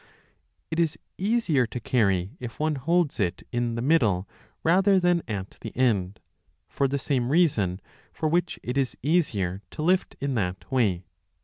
It is easier to carry if one holds it in the middle rather than at the end, for the same reason for which it is easier to lift in that way.